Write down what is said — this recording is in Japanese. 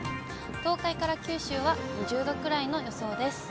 東海から九州は２０度くらいの予想です。